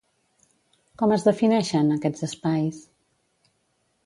Com es defineixen, aquests espais?